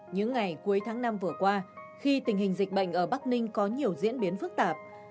những ngày cuối tháng năm vừa qua khi tình hình dịch bệnh ở bắc ninh có nhiều diễn biến phức tạp